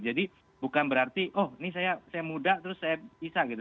jadi bukan berarti oh ini saya muda terus saya bisa gitu